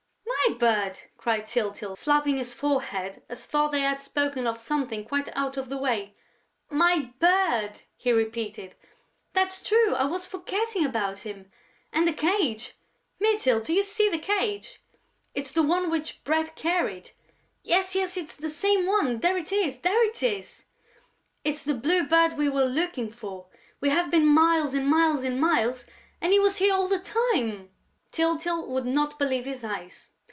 "My bird!" cried Tyltyl, slapping his forehead as though they had spoken of something quite out of the way. "My bird!" he repeated. "That's true, I was forgetting about him!... And the cage!... Mytyl, do you see the cage?... It's the one which Bread carried.... Yes, yes, it's the same one, there it is, there it is!" [Illustration: "It's the Blue Bird we were looking for! We have been miles and miles and miles and he was here all the time!"] Tyltyl would not believe his eyes.